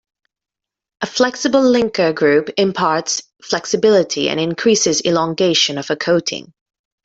A flexible linker group imparts flexibility and increases elongation of a coating.